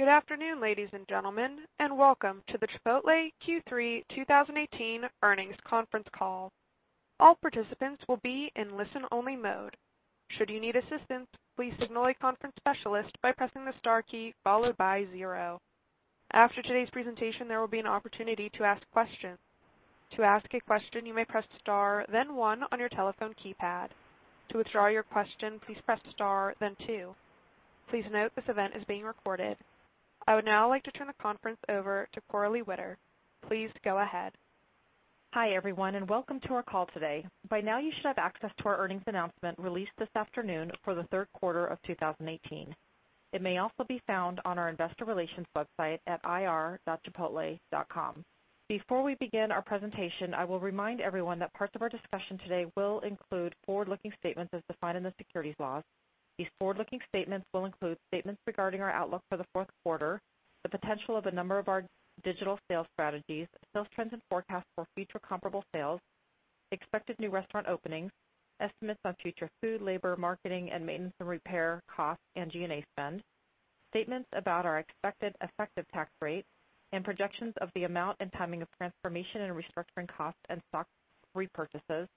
Good afternoon, ladies and gentlemen, welcome to the Chipotle Q3 2018 earnings conference call. All participants will be in listen-only mode. Should you need assistance, please signal a conference specialist by pressing the star key followed by zero. After today's presentation, there will be an opportunity to ask questions. To ask a question, you may press star then one on your telephone keypad. To withdraw your question, please press star then two. Please note this event is being recorded. I would now like to turn the conference over to Coralie Witter. Please go ahead. Hi, everyone, welcome to our call today. By now, you should have access to our earnings announcement released this afternoon for the third quarter of 2018. It may also be found on our investor relations website at ir.chipotle.com. Before we begin our presentation, I will remind everyone that parts of our discussion today will include forward-looking statements as defined in the securities laws. These forward-looking statements will include statements regarding our outlook for the fourth quarter, the potential of a number of our digital sales strategies, sales trends and forecasts for future comparable sales, expected new restaurant openings, estimates on future food, labor, marketing, and maintenance and repair costs and G&A spend, statements about our expected effective tax rate, and projections of the amount and timing of transformation and restructuring costs and stock repurchases,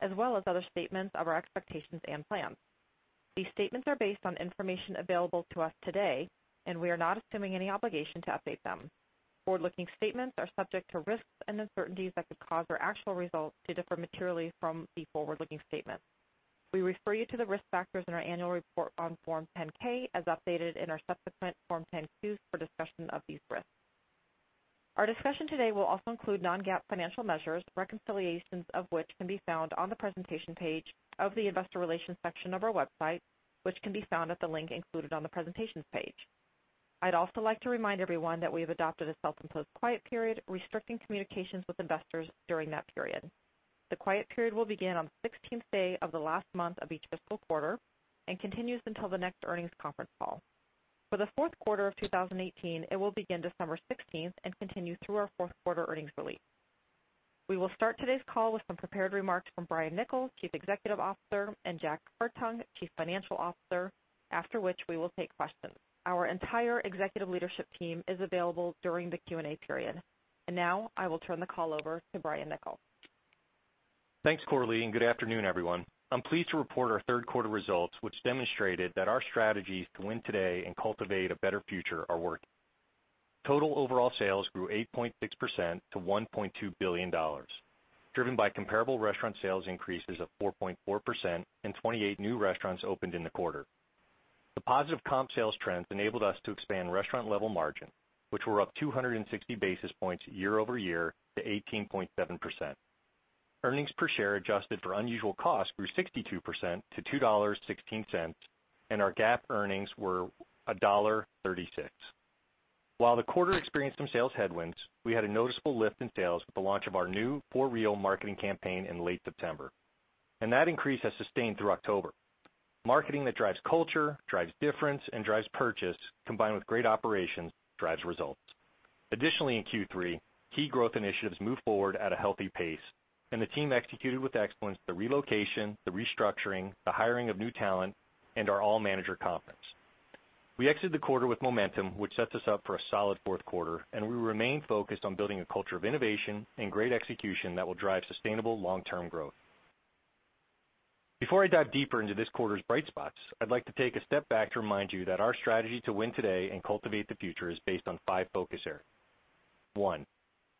as well as other statements of our expectations and plans. These statements are based on information available to us today, we are not assuming any obligation to update them. Forward-looking statements are subject to risks and uncertainties that could cause our actual results to differ materially from the forward-looking statements. We refer you to the risk factors in our annual report on Form 10-K, as updated in our subsequent Form 10-Q for discussion of these risks. Our discussion today will also include non-GAAP financial measures, reconciliations of which can be found on the presentation page of the investor relations section of our website, which can be found at the link included on the presentations page. I'd also like to remind everyone that we have adopted a self-imposed quiet period, restricting communications with investors during that period. The quiet period will begin on the 16th day of the last month of each fiscal quarter and continues until the next earnings conference call. For the fourth quarter of 2018, it will begin December 16th and continue through our fourth quarter earnings release. We will start today's call with some prepared remarks from Brian Niccol, Chief Executive Officer, and Jack Hartung, Chief Financial Officer, after which we will take questions. Our entire executive leadership team is available during the Q&A period. Now, I will turn the call over to Brian Niccol. Thanks, Coralie. Good afternoon, everyone. I'm pleased to report our third quarter results, which demonstrated that our strategies to win today and cultivate a better future are working. Total overall sales grew 8.6% to $1.2 billion, driven by comparable restaurant sales increases of 4.4% and 28 new restaurants opened in the quarter. The positive comp sales trends enabled us to expand restaurant-level margin, which were up 260 basis points year-over-year to 18.7%. Earnings per share adjusted for unusual costs grew 62% to $2.16, and our GAAP earnings were $1.36. While the quarter experienced some sales headwinds, we had a noticeable lift in sales with the launch of our new For Real marketing campaign in late September. That increase has sustained through October. Marketing that drives culture, drives difference, and drives purchase, combined with great operations, drives results. Additionally, in Q3, key growth initiatives moved forward at a healthy pace. The team executed with excellence the relocation, the restructuring, the hiring of new talent, and our all manager conference. We exited the quarter with momentum, which sets us up for a solid fourth quarter. We remain focused on building a culture of innovation and great execution that will drive sustainable long-term growth. Before I dive deeper into this quarter's bright spots, I'd like to take a step back to remind you that our strategy to win today and cultivate the future is based on five focus areas. One,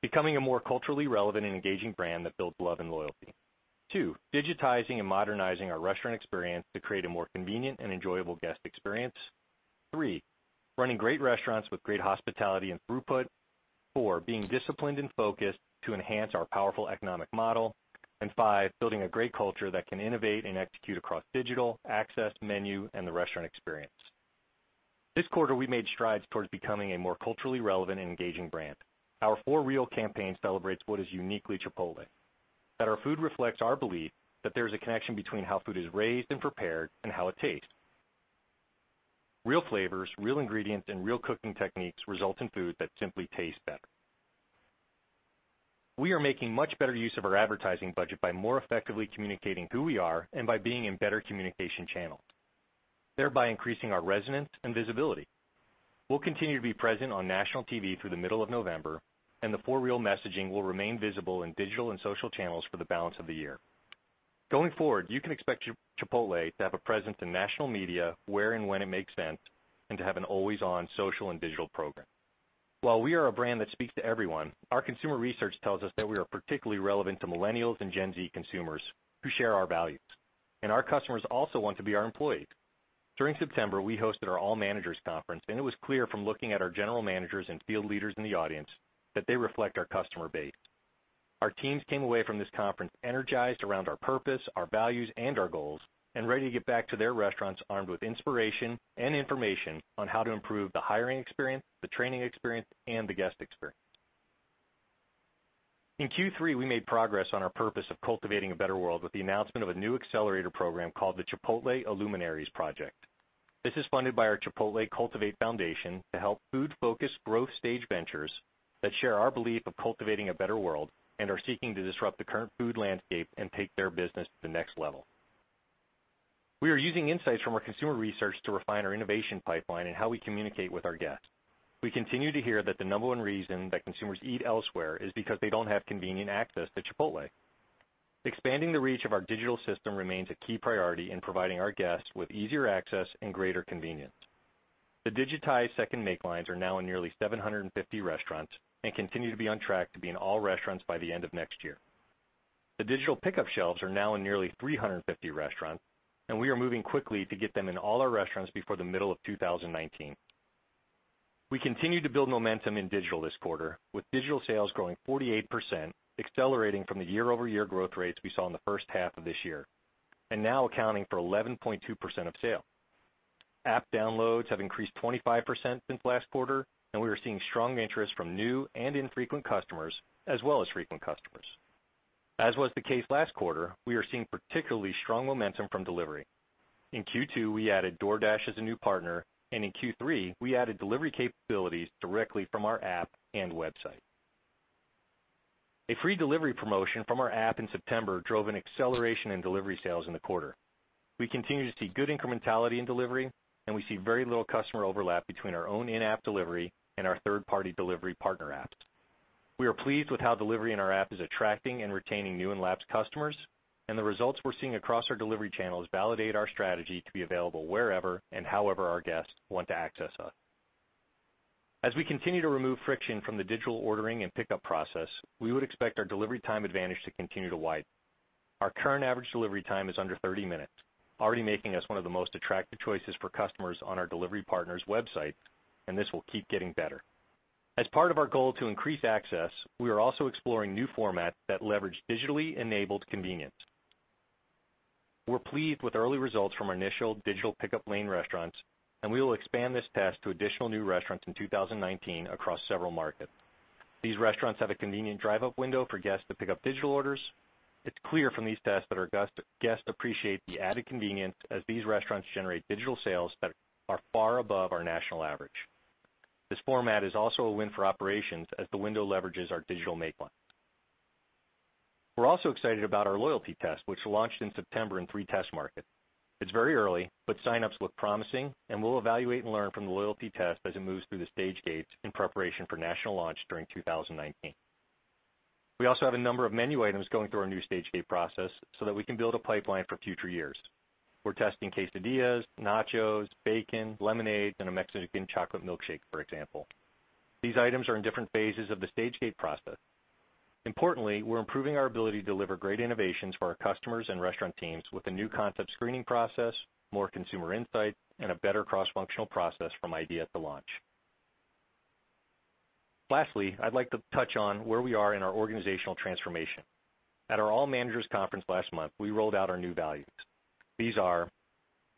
becoming a more culturally relevant and engaging brand that builds love and loyalty. Two, digitizing and modernizing our restaurant experience to create a more convenient and enjoyable guest experience. Three, running great restaurants with great hospitality and throughput. Four, being disciplined and focused to enhance our powerful economic model. Five, building a great culture that can innovate and execute across digital, access, menu, and the restaurant experience. This quarter, we made strides towards becoming a more culturally relevant and engaging brand. Our For Real campaign celebrates what is uniquely Chipotle, that our food reflects our belief that there's a connection between how food is raised and prepared and how it tastes. Real flavors, real ingredients, and real cooking techniques result in food that simply tastes better. We are making much better use of our advertising budget by more effectively communicating who we are and by being in better communication channels, thereby increasing our resonance and visibility. We'll continue to be present on national TV through the middle of November. The For Real messaging will remain visible in digital and social channels for the balance of the year. Going forward, you can expect Chipotle to have a presence in national media where and when it makes sense and to have an always-on social and digital program. While we are a brand that speaks to everyone, our consumer research tells us that we are particularly relevant to Millennials and Gen Z consumers who share our values. Our customers also want to be our employees. During September, we hosted our all managers conference. It was clear from looking at our general managers and field leaders in the audience that they reflect our customer base. Our teams came away from this conference energized around our purpose, our values, and our goals, and ready to get back to their restaurants armed with inspiration and information on how to improve the hiring experience, the training experience, and the guest experience. In Q3, we made progress on our purpose of cultivating a better world with the announcement of a new accelerator program called the Chipotle Aluminaries Project. This is funded by our Chipotle Cultivate Foundation to help food-focused growth stage ventures that share our belief of cultivating a better world and are seeking to disrupt the current food landscape and take their business to the next level. We are using insights from our consumer research to refine our innovation pipeline and how we communicate with our guests. We continue to hear that the number one reason that consumers eat elsewhere is because they don't have convenient access to Chipotle. Expanding the reach of our digital system remains a key priority in providing our guests with easier access and greater convenience. The digitized second make lines are now in nearly 750 restaurants and continue to be on track to be in all restaurants by the end of next year. The digital pickup shelves are now in nearly 350 restaurants, and we are moving quickly to get them in all our restaurants before the middle of 2019. We continue to build momentum in digital this quarter, with digital sales growing 48%, accelerating from the year-over-year growth rates we saw in the first half of this year and now accounting for 11.2% of sale. App downloads have increased 25% since last quarter, and we are seeing strong interest from new and infrequent customers, as well as frequent customers. As was the case last quarter, we are seeing particularly strong momentum from delivery. In Q2, we added DoorDash as a new partner, and in Q3, we added delivery capabilities directly from our app and website. A free delivery promotion from our app in September drove an acceleration in delivery sales in the quarter. We continue to see good incrementality in delivery, and we see very little customer overlap between our own in-app delivery and our third-party delivery partner apps. We are pleased with how delivery in our app is attracting and retaining new and lapsed customers, and the results we're seeing across our delivery channels validate our strategy to be available wherever and however our guests want to access us. As we continue to remove friction from the digital ordering and pickup process, we would expect our delivery time advantage to continue to widen. Our current average delivery time is under 30 minutes, already making us one of the most attractive choices for customers on our delivery partners' website, and this will keep getting better. As part of our goal to increase access, we are also exploring new formats that leverage digitally enabled convenience. We're pleased with early results from our initial digital pickup lane restaurants, and we will expand this test to additional new restaurants in 2019 across several markets. These restaurants have a convenient drive-up window for guests to pick up digital orders. It's clear from these tests that our guests appreciate the added convenience as these restaurants generate digital sales that are far above our national average. This format is also a win for operations as the window leverages our digital make line. We're also excited about our loyalty test, which launched in September in three test markets. It's very early, sign-ups look promising, we'll evaluate and learn from the loyalty test as it moves through the stage gates in preparation for national launch during 2019. We also have a number of menu items going through our new Stage-Gate process so that we can build a pipeline for future years. We're testing quesadillas, nachos, bacon, lemonade, and a Mexican chocolate milkshake, for example. These items are in different phases of the Stage-Gate process. Importantly, we're improving our ability to deliver great innovations for our customers and restaurant teams with a new concept screening process, more consumer insight, and a better cross-functional process from idea to launch. Lastly, I'd like to touch on where we are in our organizational transformation. At our All Managers Conference last month, we rolled out our new values. These are,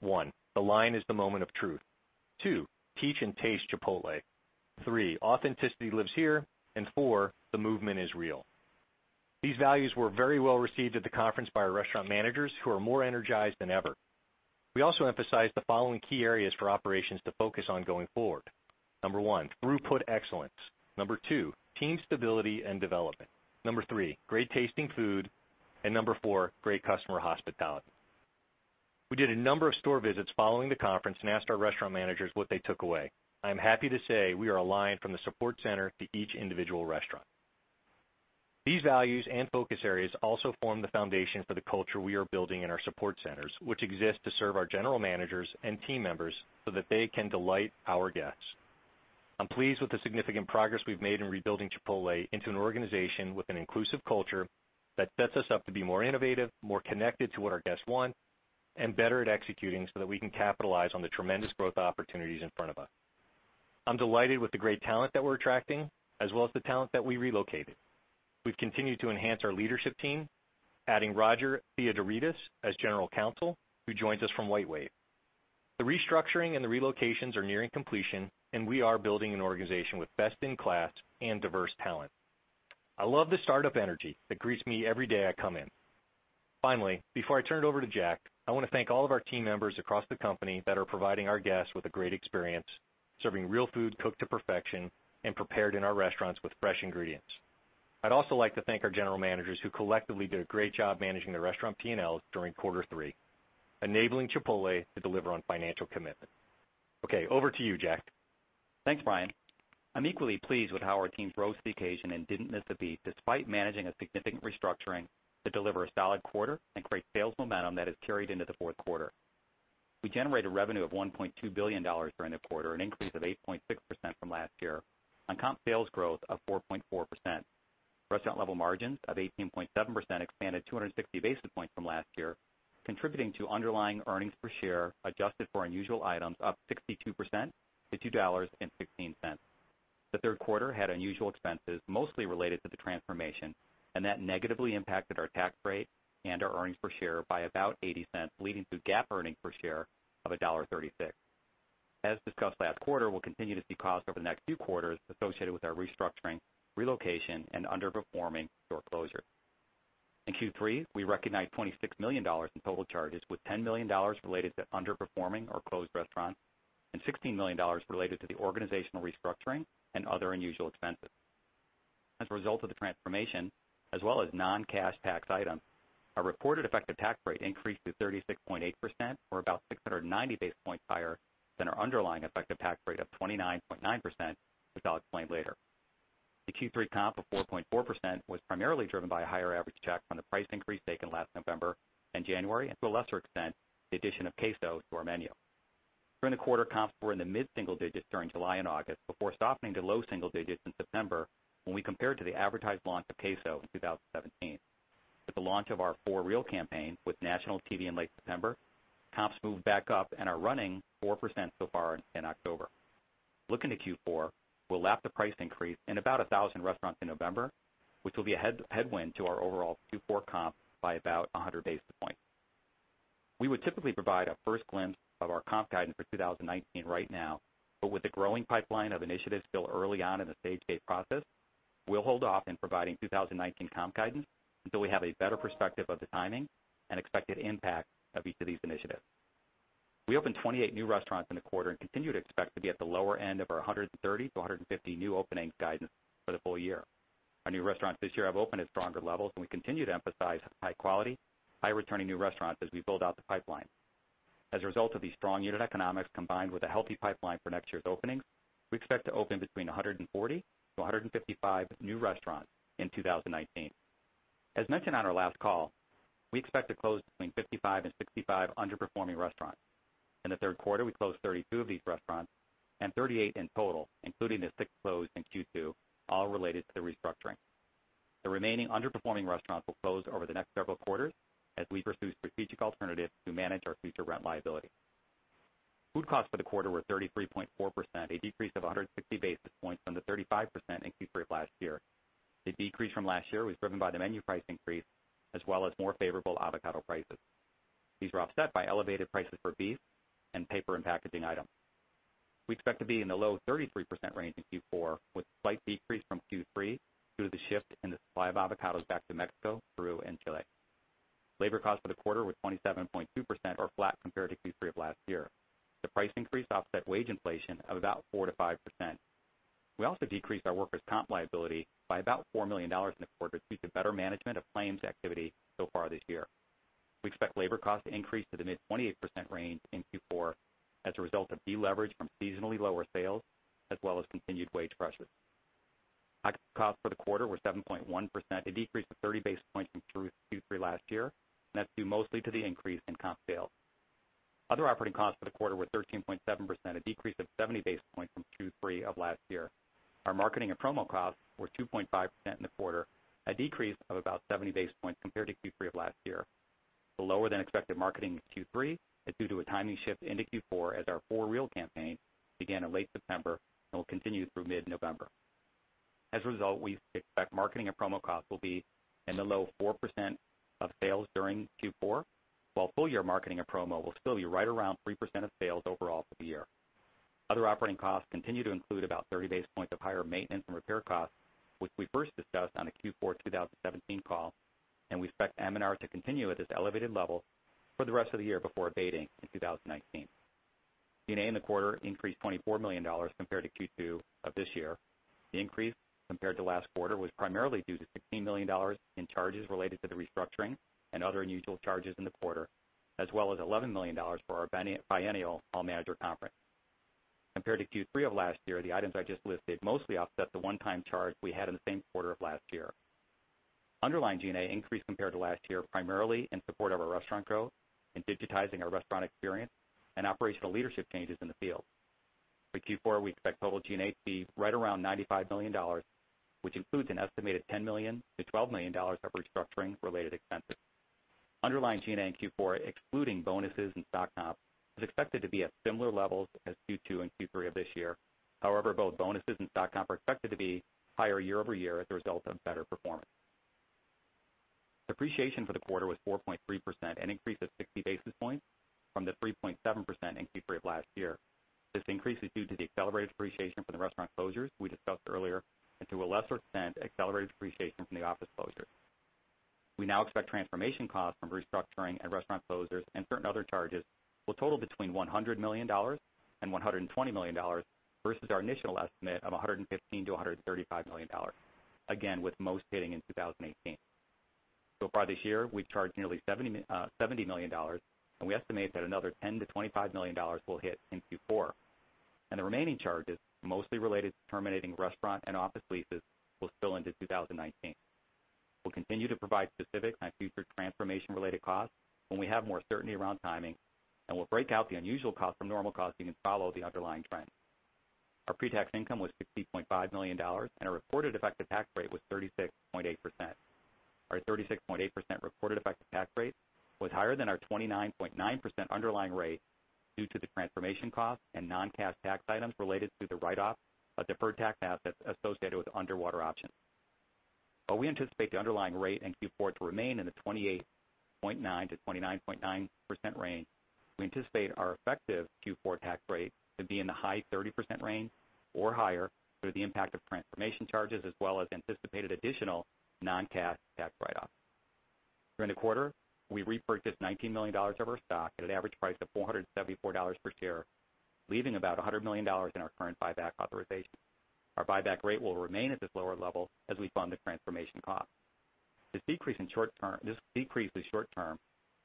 one, the line is the moment of truth. Two, teach and taste Chipotle. Three, authenticity lives here. Four, the movement is real. These values were very well received at the conference by our restaurant managers, who are more energized than ever. We also emphasized the following key areas for operations to focus on going forward. Number one, throughput excellence. Number two, team stability and development. Number three, great tasting food. Number four, great customer hospitality. We did a number of store visits following the conference and asked our restaurant managers what they took away. I am happy to say we are aligned from the support center to each individual restaurant. These values and focus areas also form the foundation for the culture we are building in our support centers, which exist to serve our general managers and team members so that they can delight our guests. I'm pleased with the significant progress we've made in rebuilding Chipotle into an organization with an inclusive culture that sets us up to be more innovative, more connected to what our guests want, and better at executing so that we can capitalize on the tremendous growth opportunities in front of us. I'm delighted with the great talent that we're attracting, as well as the talent that we relocated. We've continued to enhance our leadership team, adding Roger Theodoredis as General Counsel, who joins us from WhiteWave. The restructuring and the relocations are nearing completion, we are building an organization with best-in-class and diverse talent. I love the startup energy that greets me every day I come in. Finally, before I turn it over to Jack, I want to thank all of our team members across the company that are providing our guests with a great experience, serving real food cooked to perfection and prepared in our restaurants with fresh ingredients. I'd also like to thank our general managers who collectively did a great job managing the restaurant P&Ls during quarter three, enabling Chipotle to deliver on financial commitments. Okay, over to you, Jack. Thanks, Brian. I'm equally pleased with how our team rose to the occasion and didn't miss a beat despite managing a significant restructuring to deliver a solid quarter and great sales momentum that has carried into the fourth quarter. We generated revenue of $1.2 billion during the quarter, an increase of 8.6% from last year, on comp sales growth of 4.4%. Restaurant-level margins of 18.7% expanded 260 basis points from last year, contributing to underlying earnings per share adjusted for unusual items up 62% to $2.16. The third quarter had unusual expenses, mostly related to the transformation, that negatively impacted our tax rate and our earnings per share by about $0.80, leading to GAAP earnings per share of $1.36. As discussed last quarter, we'll continue to see costs over the next few quarters associated with our restructuring, relocation and underperforming store closures. In Q3, we recognized $26 million in total charges, with $10 million related to underperforming or closed restaurants and $16 million related to the organizational restructuring and other unusual expenses. As a result of the transformation, as well as non-cash tax items, our reported effective tax rate increased to 36.8%, or about 690 basis points higher than our underlying effective tax rate of 29.9%, as I'll explain later. The Q3 comp of 4.4% was primarily driven by a higher average check from the price increase taken last November and January, and to a lesser extent, the addition of queso to our menu. During the quarter, comps were in the mid-single digits during July and August, before softening to low single digits in September when we compared to the advertised launch of queso in 2017. With the launch of our For Real campaign with national TV in late September, comps moved back up and are running 4% so far in October. Looking to Q4, we'll lap the price increase in about 1,000 restaurants in November, which will be a headwind to our overall Q4 comp by about 100 basis points. We would typically provide a first glimpse of our comp guidance for 2019 right now, with the growing pipeline of initiatives still early on in the Stage-Gate process, we'll hold off in providing 2019 comp guidance until we have a better perspective of the timing and expected impact of each of these initiatives. We opened 28 new restaurants in the quarter and continue to expect to be at the lower end of our 130-150 new openings guidance for the full year. Our new restaurants this year have opened at stronger levels, we continue to emphasize high-quality, high-returning new restaurants as we build out the pipeline. As a result of these strong unit economics, combined with a healthy pipeline for next year's openings, we expect to open between 140-155 new restaurants in 2019. As mentioned on our last call, we expect to close between 55 and 65 underperforming restaurants. In the third quarter, we closed 32 of these restaurants and 38 in total, including the six closed in Q2, all related to the restructuring. The remaining underperforming restaurants will close over the next several quarters as we pursue strategic alternatives to manage our future rent liability. Food costs for the quarter were 33.4%, a decrease of 160 basis points from the 35% in Q3 of last year. The decrease from last year was driven by the menu price increase, as well as more favorable avocado prices. These were offset by elevated prices for beef and paper and packaging items. We expect to be in the low 33% range in Q4, with a slight decrease from Q3 due to the shift in the supply of avocados back to Mexico, Peru, and Chile. Labor costs for the quarter were 27.2%, or flat compared to Q3 of last year. The price increase offset wage inflation of about 4%-5%. We also decreased our workers' comp liability by about $4 million in the quarter due to better management of claims activity so far this year. We expect labor costs to increase to the mid-28% range in Q4 as a result of deleverage from seasonally lower sales as well as continued wage pressures. Occupancy costs for the quarter were 7.1%, a decrease of 30 basis points from Q3 last year. That's due mostly to the increase in comp sales. Other operating costs for the quarter were 13.7%, a decrease of 70 basis points from Q3 of last year. Our marketing and promo costs were 2.5% in the quarter, a decrease of about 70 basis points compared to Q3 of last year. The lower-than-expected marketing in Q3 is due to a timing shift into Q4 as our For Real campaign began in late September and will continue through mid-November. As a result, we expect marketing and promo costs will be in the low 4% of sales during Q4, while full-year marketing and promo will still be right around 3% of sales overall for the year. Other operating costs continue to include about 30 basis points of higher maintenance and repair costs, which we first discussed on the Q4 2017 call. We expect M&R to continue at this elevated level for the rest of the year before abating in 2019. G&A in the quarter increased $24 million compared to Q2 of this year. The increase compared to last quarter was primarily due to $16 million in charges related to the restructuring and other unusual charges in the quarter, as well as $11 million for our biennial all-manager conference. Compared to Q3 of last year, the items I just listed mostly offset the one-time charge we had in the same quarter of last year. Underlying G&A increased compared to last year, primarily in support of our restaurant growth, in digitizing our restaurant experience, and operational leadership changes in the field. For Q4, we expect total G&A to be right around $95 million, which includes an estimated $10 million-$12 million of restructuring-related expenses. Underlying G&A in Q4, excluding bonuses and stock comp, is expected to be at similar levels as Q2 and Q3 of this year. Both bonuses and stock comp are expected to be higher year-over-year as a result of better performance. Depreciation for the quarter was 4.3%, an increase of 60 basis points from the 3.7% in Q3 of last year. This increase is due to the accelerated depreciation from the restaurant closures we discussed earlier, and to a lesser extent, accelerated depreciation from the office closures. We now expect transformation costs from restructuring and restaurant closures and certain other charges will total between $100 million and $120 million versus our initial estimate of $115 million-$135 million, again, with most hitting in 2018. So far this year, we've charged nearly $70 million, and we estimate that another $10 million-$25 million will hit in Q4. The remaining charges, mostly related to terminating restaurant and office leases, will spill into 2019. We'll continue to provide specifics on future transformation-related costs when we have more certainty around timing, and we'll break out the unusual costs from normal costs so you can follow the underlying trends. Our pre-tax income was $50.5 million, and our reported effective tax rate was 36.8%. Our 36.8% reported effective tax rate was higher than our 29.9% underlying rate due to the transformation costs and non-cash tax items related to the write-off of deferred tax assets associated with underwater options. While we anticipate the underlying rate in Q4 to remain in the 28%-29.9% range. We anticipate our effective Q4 tax rate to be in the high 30% range or higher through the impact of transformation charges as well as anticipated additional non-cash tax write-offs. During the quarter, we repurchased $19 million of our stock at an average price of $474 per share, leaving about $100 million in our current buyback authorization. Our buyback rate will remain at this lower level as we fund the transformation costs. This decrease is short-term,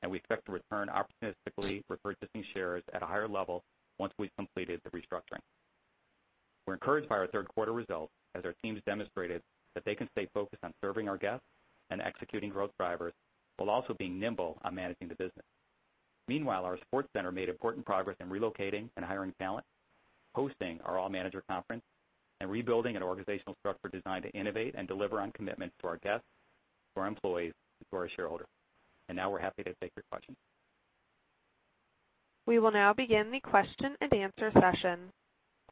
and we expect to return opportunistically repurchasing shares at a higher level once we've completed the restructuring. We're encouraged by our third quarter results, as our teams demonstrated that they can stay focused on serving our guests and executing growth drivers, while also being nimble on managing the business. Meanwhile, our support center made important progress in relocating and hiring talent, hosting our all manager conference, and rebuilding an organizational structure designed to innovate and deliver on commitments to our guests, to our employees, and to our shareholders. Now we're happy to take your questions. We will now begin the question and answer session.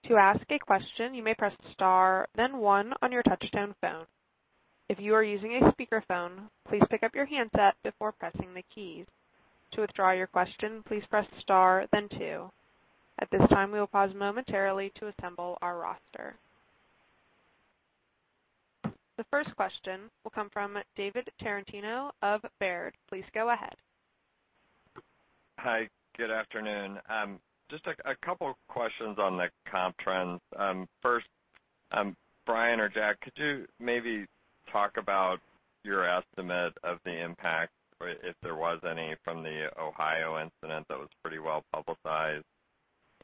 To ask a question, you may press star then one on your touchtone phone. If you are using a speakerphone, please pick up your handset before pressing the keys. To withdraw your question, please press star then two. At this time, we will pause momentarily to assemble our roster. The first question will come from David Tarantino of Baird. Please go ahead. Hi, good afternoon. Just a couple questions on the comp trends. First, Brian or Jack, could you maybe talk about your estimate of the impact, if there was any, from the Ohio incident that was pretty well publicized?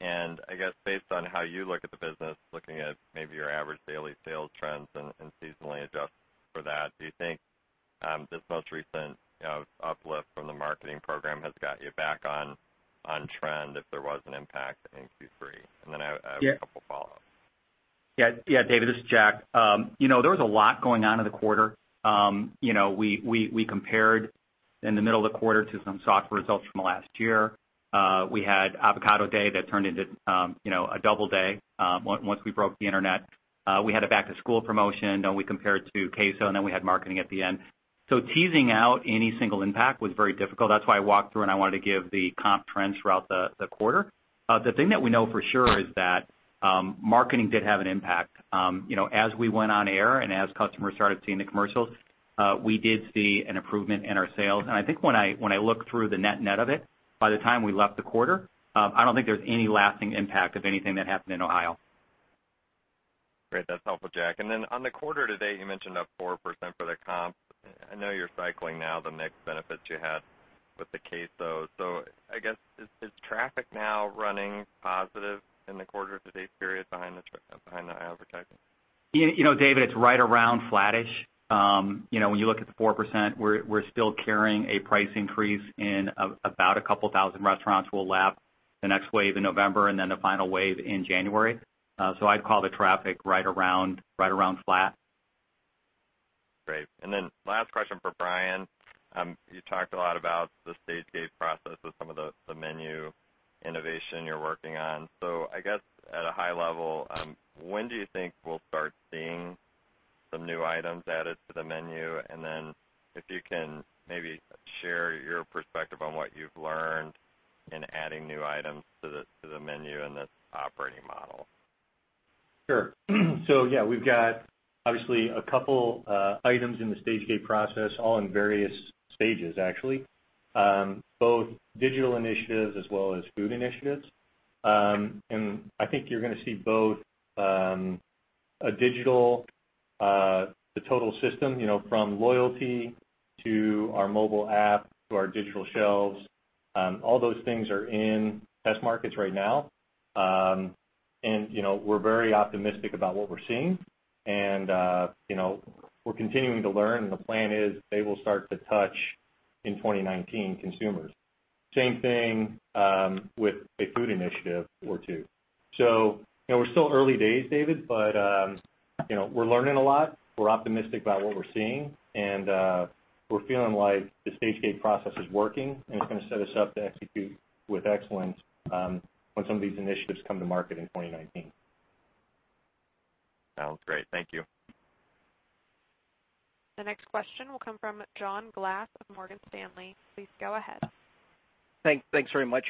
I guess based on how you look at the business, looking at maybe your average daily sales trends and seasonally adjusted for that, do you think this most recent uplift from the marketing program has got you back on trend if there was an impact in Q3? Then I have a couple follow-ups. Yeah, David, this is Jack. There was a lot going on in the quarter. We compared in the middle of the quarter to some soft results from last year. We had Avocado Day that turned into a double day once we broke the internet. We had a back-to-school promotion, then we compared to queso, then we had marketing at the end. Teasing out any single impact was very difficult. That's why I walked through and I wanted to give the comp trends throughout the quarter. The thing that we know for sure is that marketing did have an impact. As we went on air, as customers started seeing the commercials, we did see an improvement in our sales. I think when I look through the net of it, by the time we left the quarter, I don't think there's any lasting impact of anything that happened in Ohio. Great. That's helpful, Jack. On the quarter to date, you mentioned up 4% for the comp. I know you're cycling now the mix benefits you had with the queso. I guess is traffic now running positive in the quarter to date period behind the advertising? David, it's right around flattish. When you look at the 4%, we're still carrying a price increase in about 2,000 restaurants. We'll lap the next wave in November and the final wave in January. I'd call the traffic right around flat. Great. Last question for Brian. You talked a lot about the Stage-Gate process with some of the menu innovation you're working on. I guess at a high level, when do you think we'll start seeing some new items added to the menu? If you can maybe share your perspective on what you've learned in adding new items to the menu and the operating model. Sure. Yeah, we've got obviously a couple items in the Stage-Gate process, all in various stages actually, both digital initiatives as well as food initiatives. I think you're going to see both a digital, the total system from loyalty to our mobile app to our digital shelves. All those things are in test markets right now. We're very optimistic about what we're seeing. We're continuing to learn, and the plan is they will start to touch in 2019 consumers. Same thing with a food initiative or two. We're still early days, David, but we're learning a lot. We're optimistic about what we're seeing, and we're feeling like the Stage-Gate process is working, and it's going to set us up to execute with excellence when some of these initiatives come to market in 2019. Sounds great. Thank you. The next question will come from John Glass of Morgan Stanley. Please go ahead. Thanks very much.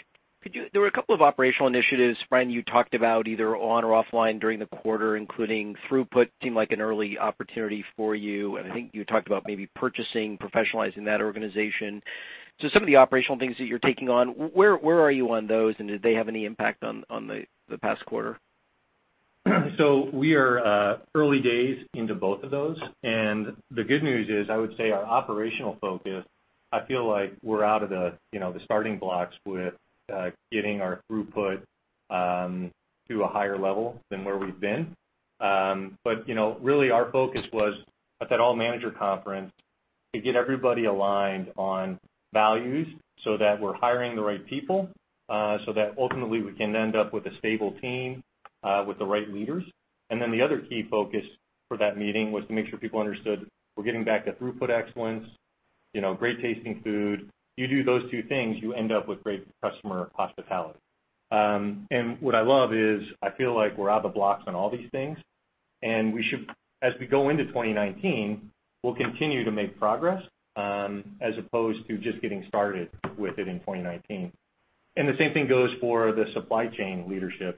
There were a couple of operational initiatives, Brian, you talked about either on or offline during the quarter, including throughput seemed like an early opportunity for you, and I think you talked about maybe purchasing, professionalizing that organization. Some of the operational things that you're taking on, where are you on those, and did they have any impact on the past quarter? We are early days into both of those, and the good news is I would say our operational focus, I feel like we're out of the starting blocks with getting our throughput to a higher level than where we've been. Really our focus was at that all manager conference to get everybody aligned on values so that we're hiring the right people, so that ultimately we can end up with a stable team with the right leaders. Then the other key focus for that meeting was to make sure people understood we're getting back to throughput excellence, great tasting food. You do those two things, you end up with great customer hospitality. What I love is I feel like we're out of the blocks on all these things. As we go into 2019, we'll continue to make progress as opposed to just getting started with it in 2019. The same thing goes for the supply chain leadership.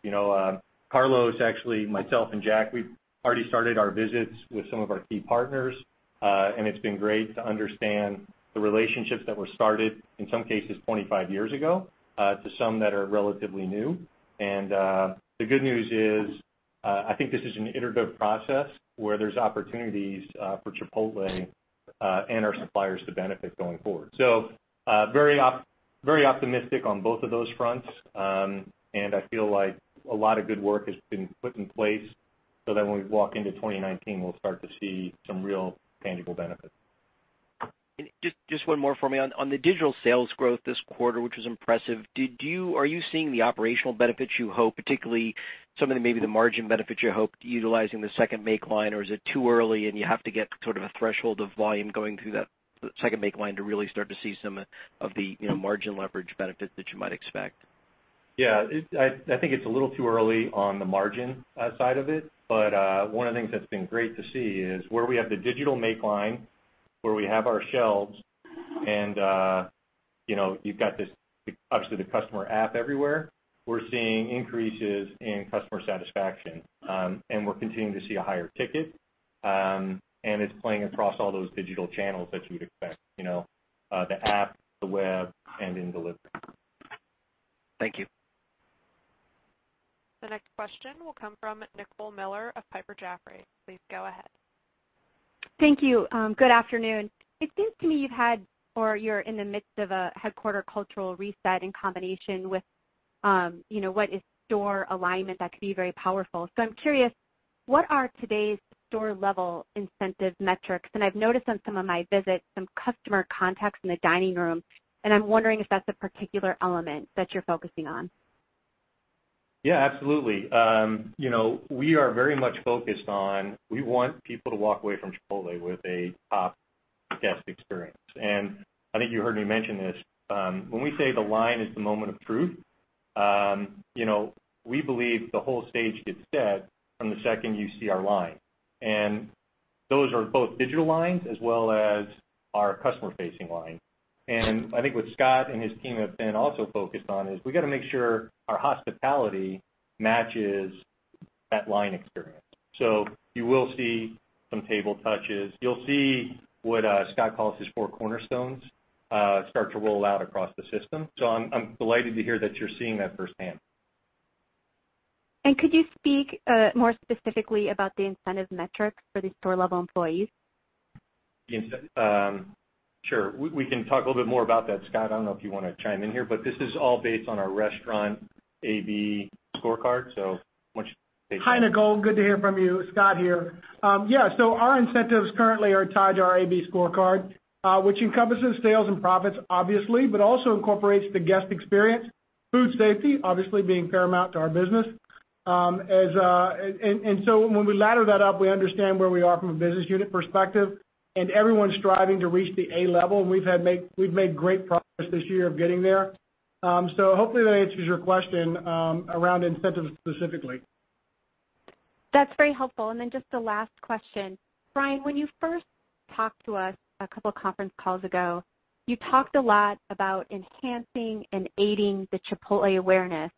Carlos, actually, myself, and Jack, we've already started our visits with some of our key partners. It's been great to understand the relationships that were started, in some cases, 25 years ago, to some that are relatively new. The good news is, I think this is an iterative process where there's opportunities for Chipotle and our suppliers to benefit going forward. Very optimistic on both of those fronts. I feel like a lot of good work has been put in place, so that when we walk into 2019, we'll start to see some real tangible benefits. Just one more for me. On the digital sales growth this quarter, which was impressive, are you seeing the operational benefits you hope, particularly some of the maybe the margin benefits you hoped utilizing the second make line, or is it too early, and you have to get a threshold of volume going through that second make line to really start to see some of the margin leverage benefit that you might expect? I think it's a little too early on the margin side of it, but one of the things that's been great to see is where we have the digital make line, where we have our shelves, and you've got this obviously the customer app everywhere, we're seeing increases in customer satisfaction. We're continuing to see a higher ticket, and it's playing across all those digital channels that you would expect. The app, the web, and in delivery. Thank you. The next question will come from Nicole Miller of Piper Jaffray. Please go ahead. Thank you. Good afternoon. It seems to me you've had, or you're in the midst of a headquarters cultural reset in combination with what is store alignment that could be very powerful. I'm curious, what are today's store-level incentive metrics? I've noticed on some of my visits, some customer contacts in the dining room, and I'm wondering if that's a particular element that you're focusing on. Yeah, absolutely. We are very much focused on, we want people to walk away from Chipotle with a top guest experience. I think you heard me mention this, when we say the line is the moment of truth, we believe the whole stage gets set from the second you see our line. Those are both digital lines as well as our customer-facing line. I think what Scott and his team have been also focused on is we've got to make sure our hospitality matches that line experience. You will see some table touches. You'll see what Scott calls his four cornerstones, start to roll out across the system. I'm delighted to hear that you're seeing that firsthand. Could you speak more specifically about the incentive metrics for the store-level employees? Sure. We can talk a little bit more about that. Scott, I do not know if you want to chime in here. This is all based on our restaurant AB Scorecard. Why do not you take that? Hi, Nicole. Good to hear from you. Scott here. Our incentives currently are tied to our AB Scorecard, which encompasses sales and profits obviously, but also incorporates the guest experience, food safety, obviously being paramount to our business. When we ladder that up, we understand where we are from a business unit perspective, and everyone is striving to reach the A level, and we have made great progress this year of getting there. Hopefully that answers your question, around incentives specifically. That is very helpful. Just the last question. Brian, when you first talked to us a couple conference calls ago, you talked a lot about enhancing and aiding the Chipotle awareness.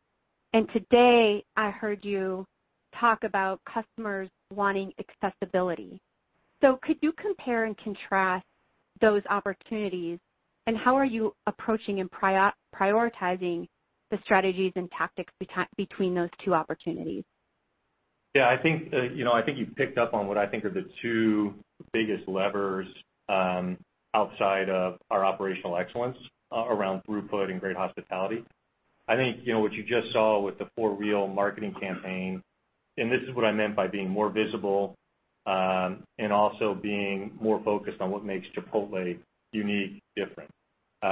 Today I heard you talk about customers wanting accessibility. Could you compare and contrast those opportunities, and how are you approaching and prioritizing the strategies and tactics between those two opportunities? I think you picked up on what I think are the two biggest levers outside of our operational excellence, around throughput and great hospitality. I think what you just saw with the "For Real" marketing campaign, and this is what I meant by being more visible, and also being more focused on what makes Chipotle unique, different. You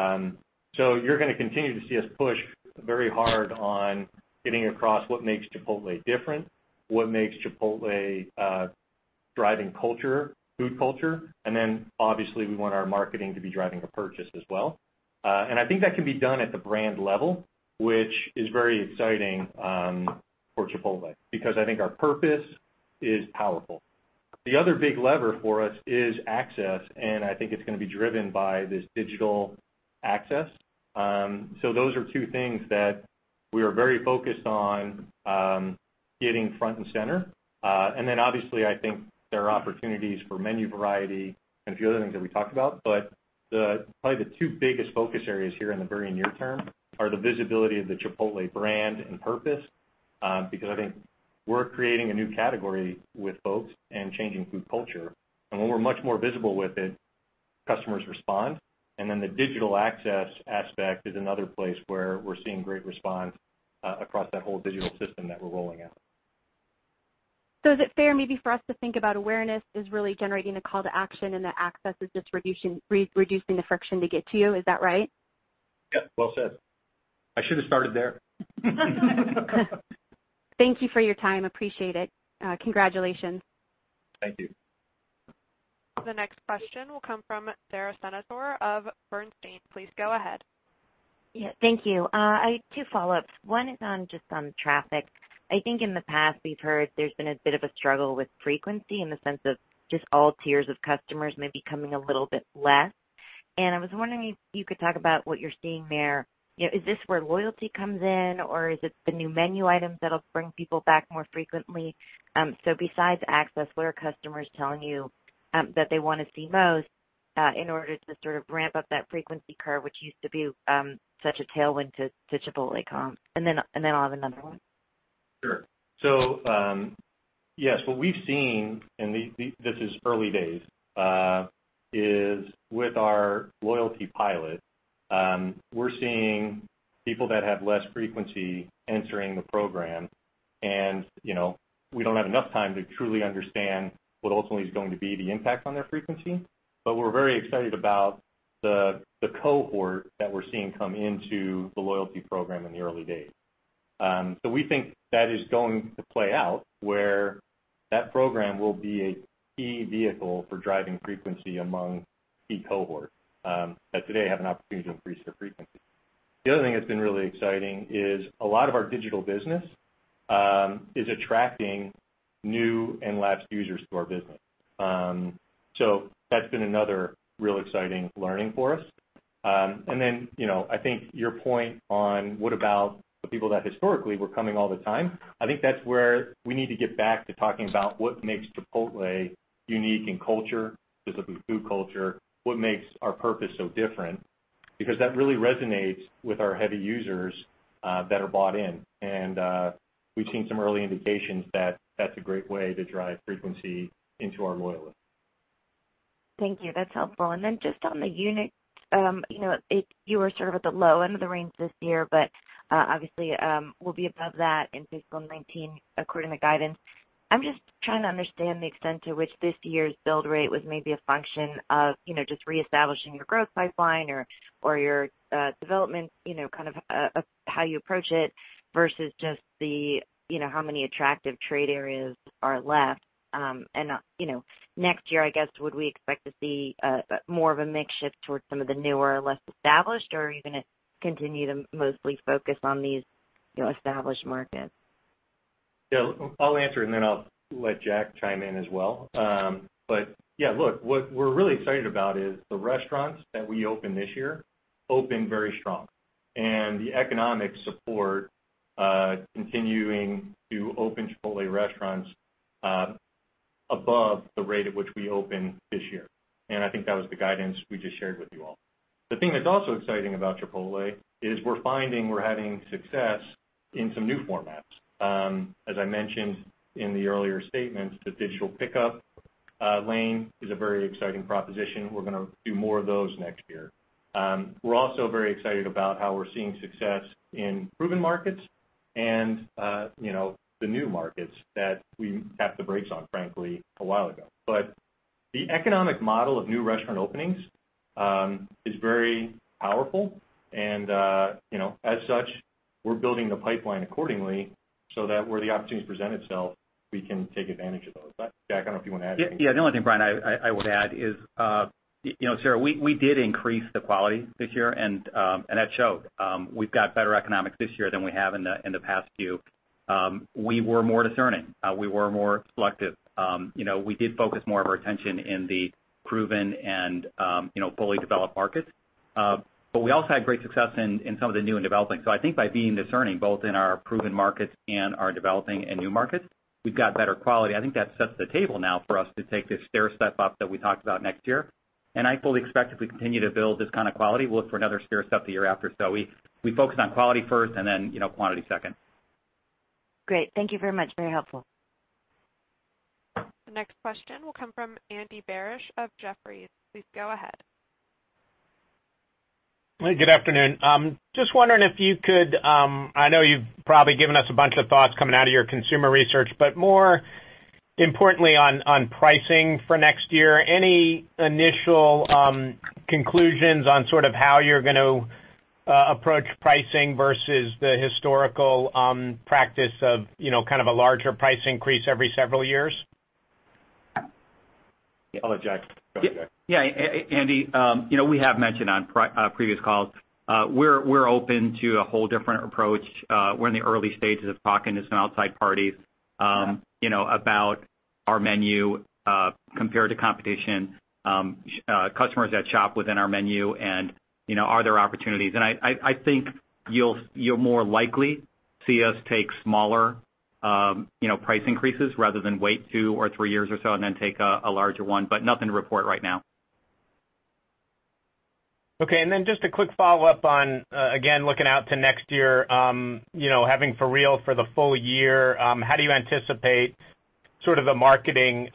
are going to continue to see us push very hard on getting across what makes Chipotle different, what makes Chipotle driving culture, food culture, and then obviously we want our marketing to be driving a purchase as well. I think that can be done at the brand level, which is very exciting for Chipotle, because I think our purpose is powerful. The other big lever for us is access, and I think it is going to be driven by this digital access. Those are two things that we are very focused on getting front and center. Obviously I think there are opportunities for menu variety and a few other things that we talked about. Probably the two biggest focus areas here in the very near term are the visibility of the Chipotle brand and purpose. Because I think we're creating a new category with folks and changing food culture. When we're much more visible with it, customers respond. The digital access aspect is another place where we're seeing great response across that whole digital system that we're rolling out. Is it fair maybe for us to think about awareness as really generating a call to action and the access is reducing the friction to get to you? Is that right? Yep, well said. I should have started there. Thank you for your time. Appreciate it. Congratulations. Thank you. The next question will come from Sara Senatore of Bernstein. Please go ahead. Yeah, thank you. I have two follow-ups. One is just on traffic. I think in the past, we've heard there's been a bit of a struggle with frequency in the sense of just all tiers of customers maybe coming a little bit less. I was wondering if you could talk about what you're seeing there. Is this where loyalty comes in, or is it the new menu items that'll bring people back more frequently? Besides access, what are customers telling you that they want to see most, in order to sort of ramp up that frequency curve, which used to be such a tailwind to Chipotle comp? I'll have another one. Sure. Yes. What we've seen, and this is early days, is with our loyalty pilot, we're seeing people that have less frequency entering the program and we don't have enough time to truly understand what ultimately is going to be the impact on their frequency, but we're very excited about the cohort that we're seeing come into the loyalty program in the early days. We think that is going to play out, where that program will be a key vehicle for driving frequency among key cohorts that today have an opportunity to increase their frequency. The other thing that's been really exciting is a lot of our digital business is attracting new and lapsed users to our business. That's been another real exciting learning for us. I think your point on what about the people that historically were coming all the time, I think that's where we need to get back to talking about what makes Chipotle unique in culture, specifically food culture, what makes our purpose so different, because that really resonates with our heavy users that are bought in. We've seen some early indications that that's a great way to drive frequency into our loyalists. Thank you. That's helpful. Just on the unit, you were sort of at the low end of the range this year, but obviously, we'll be above that in fiscal 2019, according to guidance. I'm just trying to understand the extent to which this year's build rate was maybe a function of just reestablishing your growth pipeline or your development, kind of how you approach it, versus just how many attractive trade areas are left. Next year, I guess, would we expect to see more of a mix shift towards some of the newer, less established, or are you going to continue to mostly focus on these established markets? I'll answer then I'll let Jack chime in as well. What we're really excited about is the restaurants that we opened this year opened very strong. The economics support continuing to open Chipotle restaurants above the rate at which we opened this year. I think that was the guidance we just shared with you all. The thing that's also exciting about Chipotle is we're finding we're having success in some new formats. As I mentioned in the earlier statements, the digital pickup lane is a very exciting proposition. We're going to do more of those next year. We're also very excited about how we're seeing success in proven markets and the new markets that we tapped the brakes on, frankly, a while ago. The economic model of new restaurant openings is very powerful and as such, we're building the pipeline accordingly so that where the opportunities present itself, we can take advantage of those. Jack, I don't know if you want to add anything. Yeah. The only thing, Brian, I would add is, Sara, we did increase the quality this year and that showed. We've got better economics this year than we have in the past few. We were more discerning. We were more selective. We did focus more of our attention in the proven and fully developed markets. We also had great success in some of the new and developing. I think by being discerning, both in our proven markets and our developing and new markets, we've got better quality. I think that sets the table now for us to take this stairstep up that we talked about next year. I fully expect if we continue to build this kind of quality, we'll look for another stairstep the year after. We focus on quality first and then quantity second. Great. Thank you very much. Very helpful. The next question will come from Andy Barish of Jefferies. Please go ahead. Good afternoon. Just wondering if you could, I know you've probably given us a bunch of thoughts coming out of your consumer research, but more importantly on pricing for next year, any initial conclusions on sort of how you're going to approach pricing versus the historical practice of kind of a larger price increase every several years? I'll let Jack. Go ahead, Jack. Yeah. Andy, we have mentioned on previous calls, we're open to a whole different approach. We're in the early stages of talking to some outside parties. Yeah About our menu compared to competition, customers that shop within our menu, and are there opportunities. I think you'll more likely see us take smaller price increases rather than wait two or three years or so and then take a larger one, but nothing to report right now. Okay, just a quick follow-up on, again, looking out to next year. Having For Real for the full year, how do you anticipate sort of the marketing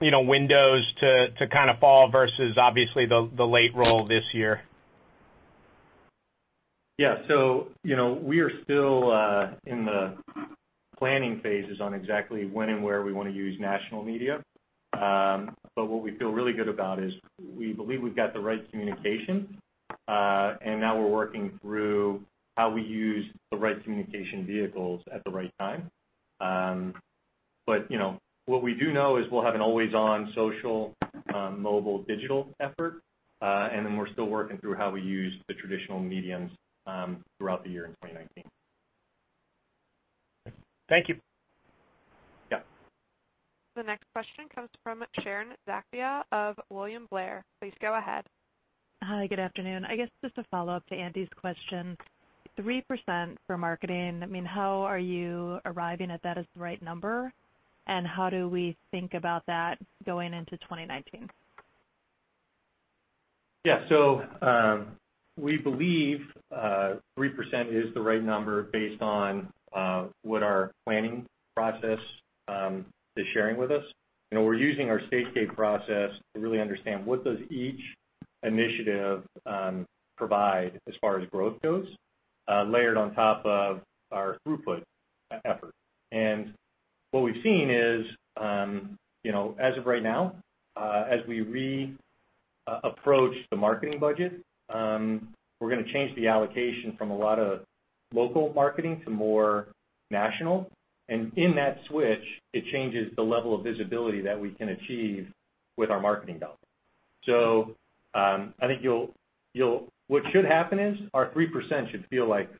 windows to kind of fall versus obviously the late roll this year? We are still in the planning phases on exactly when and where we want to use national media. What we feel really good about is we believe we've got the right communication. And now we're working through how we use the right communication vehicles at the right time. What we do know is we'll have an always-on social, mobile, digital effort, and then we're still working through how we use the traditional mediums throughout the year in 2019. Thank you. Yeah. The next question comes from Sharon Zackfia of William Blair. Please go ahead. Hi. Good afternoon. I guess just a follow-up to Andy's question. 3% for marketing, how are you arriving at that as the right number, and how do we think about that going into 2019? We believe 3% is the right number based on what our planning process is sharing with us. We're using our Stage-Gate process to really understand what does each initiative provide as far as growth goes, layered on top of our throughput effort. What we've seen is, as of right now, as we re-approach the marketing budget, we're going to change the allocation from a lot of local marketing to more national. In that switch, it changes the level of visibility that we can achieve with our marketing dollar. I think what should happen is our 3% should feel like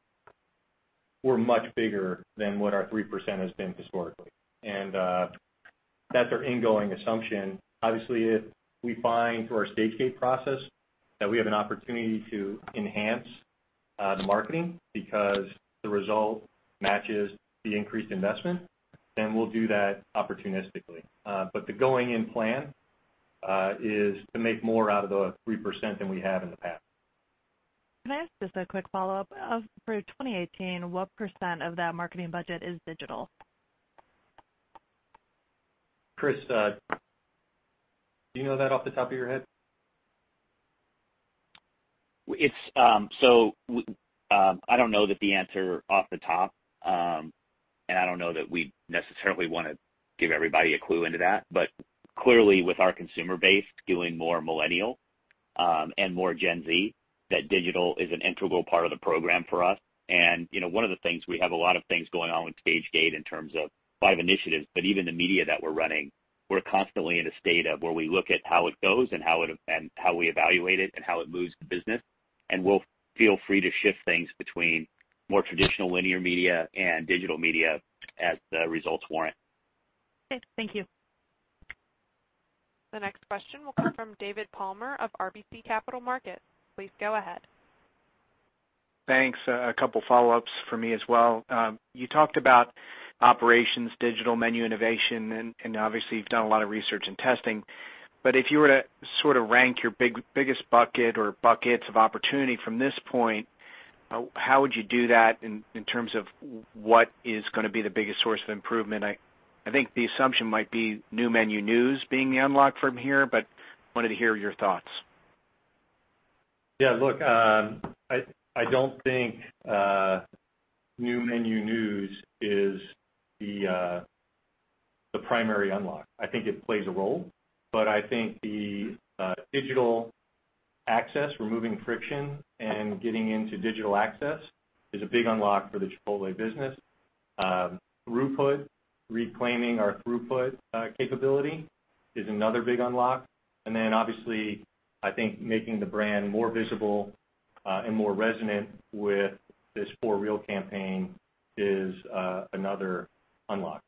we're much bigger than what our 3% has been historically. That's our ingoing assumption. Obviously, if we find through our Stage-Gate process that we have an opportunity to enhance the marketing because the result matches the increased investment, then we'll do that opportunistically. The going-in plan is to make more out of the 3% than we have in the past. Can I ask just a quick follow-up? For 2018, what % of that marketing budget is digital? Chris, do you know that off the top of your head? I don't know the answer off the top, and I don't know that we'd necessarily want to give everybody a clue into that. Clearly, with our consumer base doing more millennial and more Gen Z, that digital is an integral part of the program for us. One of the things, we have a lot of things going on with Stage-Gate in terms of five initiatives, but even the media that we're running, we're constantly in a state of where we look at how it goes and how we evaluate it and how it moves the business. We'll feel free to shift things between more traditional linear media and digital media as the results warrant. Okay. Thank you. The next question will come from David Palmer of RBC Capital Markets. Please go ahead. Thanks. A couple follow-ups for me as well. You talked about operations, digital menu innovation, and obviously, you've done a lot of research and testing. If you were to rank your biggest bucket or buckets of opportunity from this point, how would you do that in terms of what is going to be the biggest source of improvement? I think the assumption might be new menu news being the unlock from here, wanted to hear your thoughts. Yeah, look, I don't think new menu news is the primary unlock. I think it plays a role, but I think the digital access, removing friction and getting into digital access is a big unlock for the Chipotle business. Throughput, reclaiming our throughput capability is another big unlock. Obviously, I think making the brand more visible and more resonant with this For Real campaign is another unlock.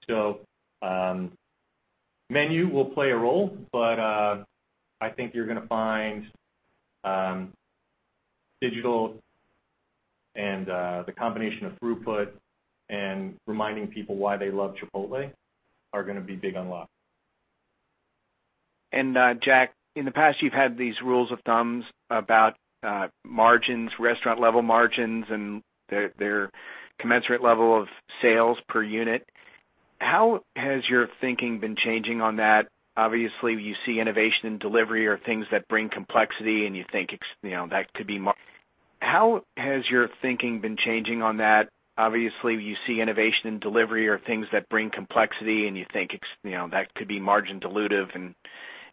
Menu will play a role, but I think you're going to find digital and the combination of throughput and reminding people why they love Chipotle are going to be big unlocks. Jack, in the past, you've had these rules of thumbs about margins, restaurant level margins, and their commensurate level of sales per unit. How has your thinking been changing on that? Obviously, you see innovation and delivery are things that bring complexity, and you think that could be margin dilutive.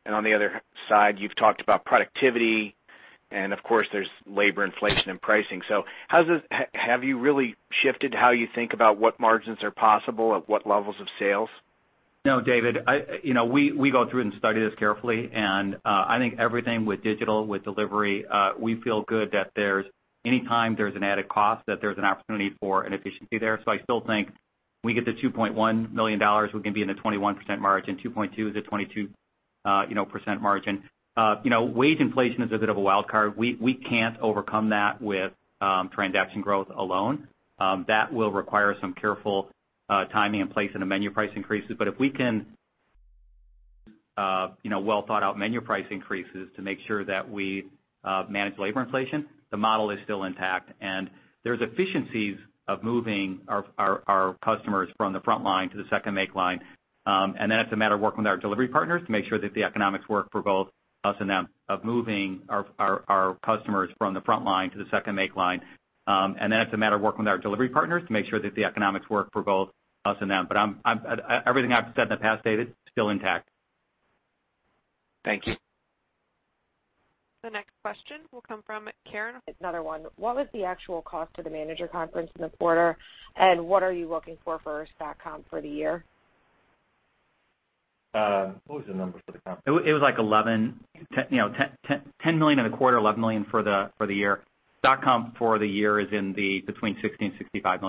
On the other side, you've talked about productivity and of course, there's labor inflation and pricing. Have you really shifted how you think about what margins are possible at what levels of sales? No, David. We go through and study this carefully, and I think everything with digital, with delivery, we feel good that any time there's an added cost, that there's an opportunity for an efficiency there. I still think we get the $2.1 million, we can be in a 21% margin, 2.2 is a 22% margin. Wage inflation is a bit of a wild card. We can't overcome that with transaction growth alone. That will require some careful timing and place in the menu price increases. If we can well thought out menu price increases to make sure that we manage labor inflation, the model is still intact. There's efficiencies of moving our customers from the front line to the second make line. It's a matter of working with our delivery partners to make sure that the economics work for both us and them. Everything I've said in the past, David, still intact. Thank you. The next question will come from Karen. Another one. What was the actual cost to the manager conference in the quarter, and what are you looking for stock comp for the year? What was the number for stock comp? It was like $10 million in the quarter, $11 million for the year. Stock comp for the year is between $60 million and $65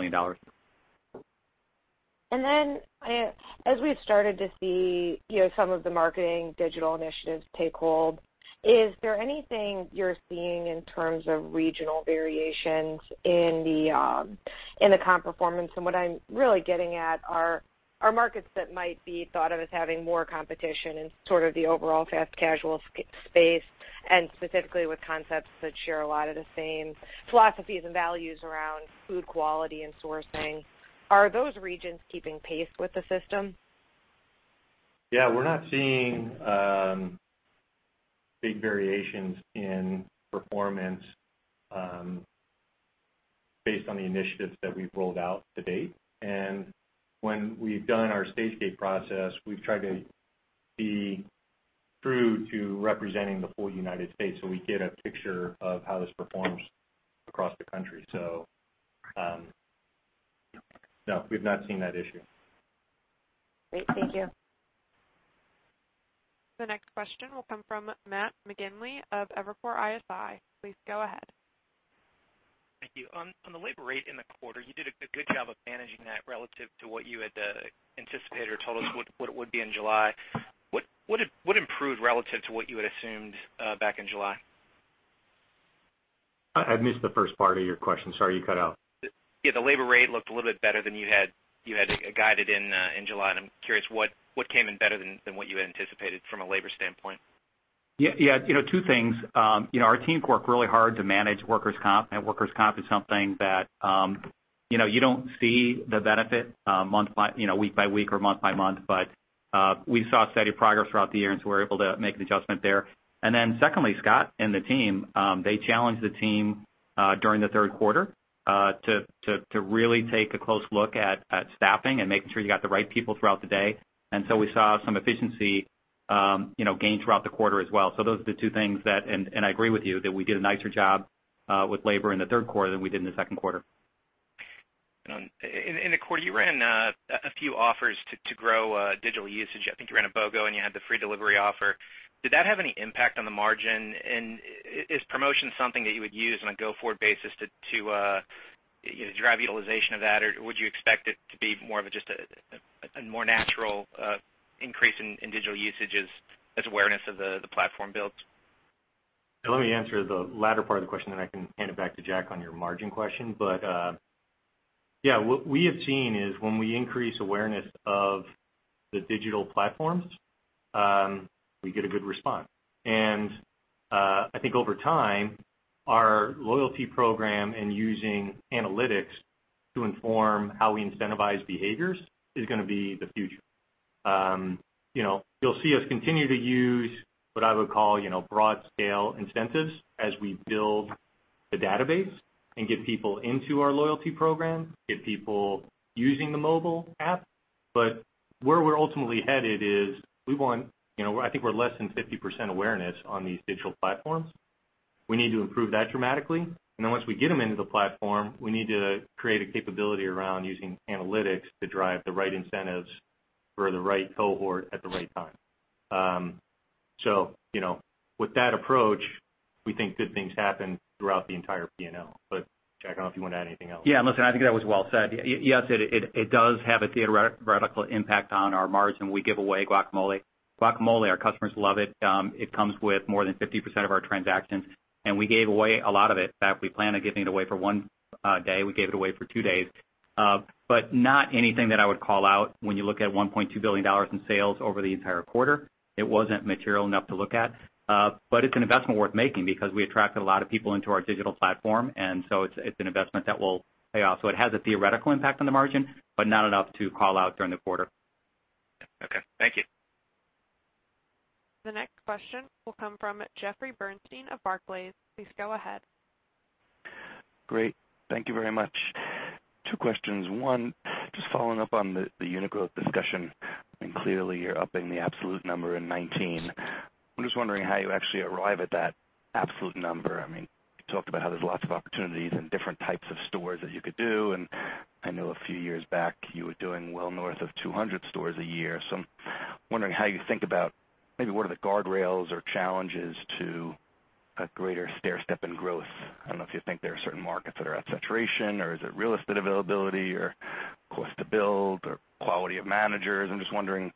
million. As we've started to see some of the marketing digital initiatives take hold, is there anything you're seeing in terms of regional variations in the comp performance? What I'm really getting at are markets that might be thought of as having more competition in sort of the overall fast casual space, and specifically with concepts that share a lot of the same philosophies and values around food quality and sourcing. Are those regions keeping pace with the system? Yeah, we're not seeing big variations in performance based on the initiatives that we've rolled out to date. When we've done our Stage-Gate process, we've tried to be true to representing the full United States, so we get a picture of how this performs across the country. No, we've not seen that issue. Great. Thank you. The next question will come from Matt McGinley of Evercore ISI. Please go ahead. Thank you. On the labor rate in the quarter, you did a good job of managing that relative to what you had anticipated or told us what it would be in July. What improved relative to what you had assumed back in July? I missed the first part of your question. Sorry, you cut out. Yeah, the labor rate looked a little bit better than you had guided in July. I'm curious what came in better than what you had anticipated from a labor standpoint. Two things. Our teams work really hard to manage workers' comp. Workers' comp is something that you don't see the benefit week by week or month by month. We saw steady progress throughout the year, we were able to make an adjustment there. Secondly, Scott and the team, they challenged the team during the third quarter to really take a close look at staffing and making sure you got the right people throughout the day. We saw some efficiency gain throughout the quarter as well. Those are the two things that, and I agree with you, that we did a nicer job with labor in the third quarter than we did in the second quarter. In the quarter, you ran a few offers to grow digital usage. I think you ran a BOGO, and you had the free delivery offer. Did that have any impact on the margin? Is promotion something that you would use on a go-forward basis to drive utilization of that, or would you expect it to be more of just a more natural increase in digital usages as awareness of the platform builds? Let me answer the latter part of the question, then I can hand it back to Jack on your margin question. Yeah, what we have seen is when we increase awareness of the digital platforms, we get a good response. I think over time, our loyalty program and using analytics to inform how we incentivize behaviors is going to be the future. You'll see us continue to use what I would call broad scale incentives as we build the database and get people into our loyalty program, get people using the mobile app. Where we're ultimately headed is, I think we're less than 50% awareness on these digital platforms. We need to improve that dramatically. Once we get them into the platform, we need to create a capability around using analytics to drive the right incentives for the right cohort at the right time. With that approach, we think good things happen throughout the entire P&L. Jack, I don't know if you want to add anything else. Listen, I think that was well said. Yes, it does have a theoretical impact on our margin. We give away guacamole. Guacamole, our customers love it. It comes with more than 50% of our transactions. We gave away a lot of it. In fact, we planned on giving it away for one day, we gave it away for two days. Not anything that I would call out when you look at $1.2 billion in sales over the entire quarter. It wasn't material enough to look at. It's an investment worth making because we attracted a lot of people into our digital platform. It's an investment that will pay off. It has a theoretical impact on the margin, not enough to call out during the quarter. Okay. Thank you. The next question will come from Jeffrey Bernstein of Barclays. Please go ahead. Great. Thank you very much. Two questions. One, just following up on the unit growth discussion. Clearly you're upping the absolute number in 2019. I'm just wondering how you actually arrive at that absolute number. You talked about how there's lots of opportunities and different types of stores that you could do. I know a few years back you were doing well north of 200 stores a year. I'm wondering how you think about maybe what are the guardrails or challenges to a greater stairstep in growth. I don't know if you think there are certain markets that are at saturation, is it real estate availability, cost to build or quality of managers. I'm just wondering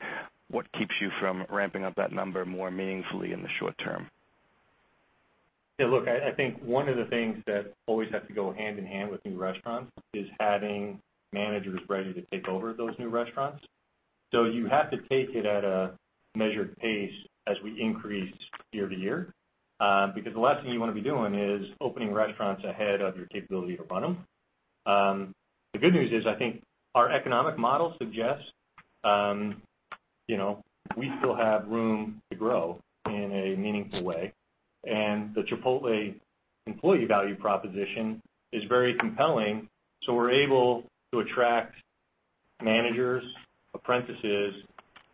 what keeps you from ramping up that number more meaningfully in the short term. Yeah, look, I think one of the things that always has to go hand in hand with new restaurants is having managers ready to take over those new restaurants. You have to take it at a measured pace as we increase year to year. The last thing you want to be doing is opening restaurants ahead of your capability to run them. The good news is, I think our economic model suggests we still have room to grow in a meaningful way. The Chipotle employee value proposition is very compelling, so we're able to attract managers, apprentices,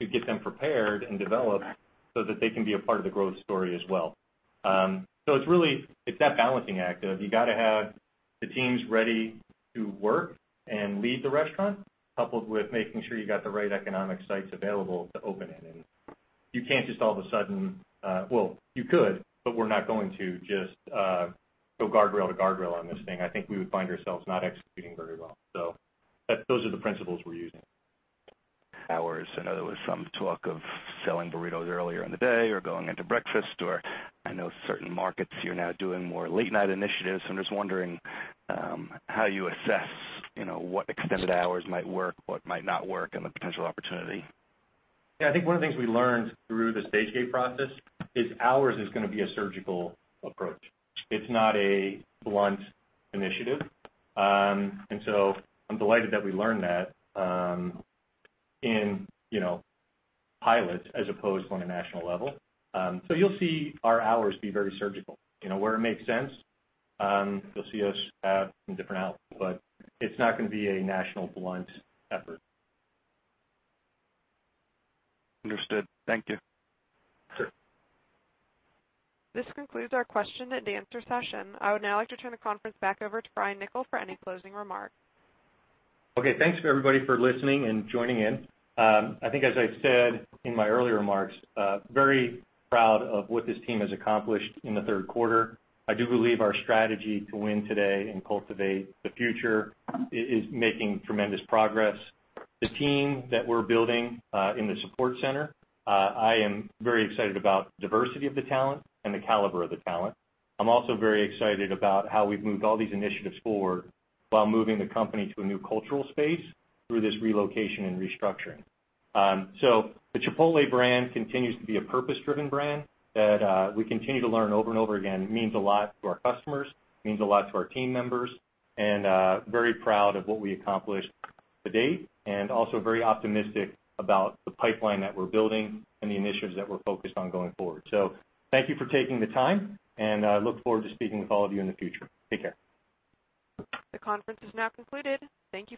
to get them prepared and developed so that they can be a part of the growth story as well. It's that balancing act of, you got to have the teams ready to work and lead the restaurant, coupled with making sure you got the right economic sites available to open in. You can't just all of a sudden Well, you could, but we're not going to just go guardrail to guardrail on this thing. I think we would find ourselves not executing very well. Those are the principles we're using. Hours. I know there was some talk of selling burritos earlier in the day or going into breakfast. I know certain markets you're now doing more late-night initiatives. I'm just wondering how you assess what extended hours might work, what might not work, and the potential opportunity. Yeah, I think one of the things we learned through the Stage-Gate process is hours is going to be a surgical approach. It's not a blunt initiative. I'm delighted that we learned that in pilots as opposed to on a national level. You'll see our hours be very surgical. Where it makes sense, you'll see us have some different hours, but it's not going to be a national blunt effort. Understood. Thank you. Sure. This concludes our question and answer session. I would now like to turn the conference back over to Brian Niccol for any closing remarks. Okay. Thanks, everybody, for listening and joining in. I think as I said in my earlier remarks, very proud of what this team has accomplished in the third quarter. I do believe our strategy to win today and cultivate the future is making tremendous progress. The team that we're building in the support center, I am very excited about diversity of the talent and the caliber of the talent. I'm also very excited about how we've moved all these initiatives forward while moving the company to a new cultural space through this relocation and restructuring. The Chipotle brand continues to be a purpose-driven brand that we continue to learn over and over again means a lot to our customers, means a lot to our team members, and very proud of what we accomplished to date, and also very optimistic about the pipeline that we're building and the initiatives that we're focused on going forward. Thank you for taking the time, and I look forward to speaking with all of you in the future. Take care. The conference is now concluded. Thank you for your participation.